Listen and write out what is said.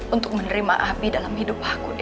untuk menerima abi dalam hidup aku